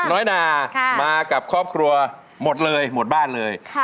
น้อยนามากับครอบครัวหมดเลยหมดบ้านเลย